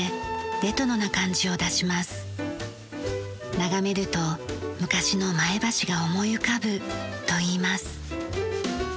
眺めると昔の前橋が思い浮かぶと言います。